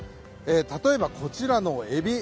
例えば、こちらのエビ。